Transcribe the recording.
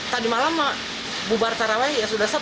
tadi malam bubar parawe ya sudah selesai